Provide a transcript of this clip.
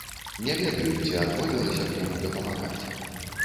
Не ведаю, ці адмовілася б яму дапамагаць.